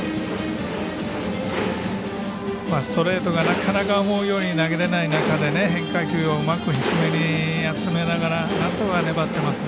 ストレートがなかなか思うように投げれない中で変化球をうまく低めに集めながらなんとか粘ってますね。